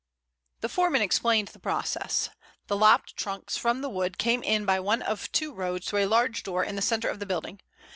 The foreman explained the process. The lopped trunks from the wood came in by one of two roads through a large door in the center of the building.